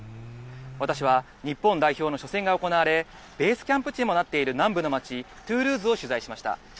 私は日本代表の初戦が行われ、ベースキャンプ地にもなっている南部の街、トゥールーズを取材しました。